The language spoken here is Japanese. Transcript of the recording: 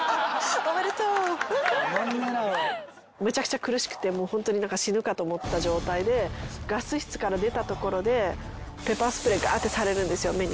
むちゃくちゃ苦しくてホントに死ぬかと思った状態でガス室から出たところでペッパースプレーガーッてされるんですよ